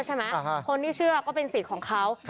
ใช่ไหมคนที่เชื่อก็เป็นสิทธิ์ของเขา